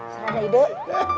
serah deh deh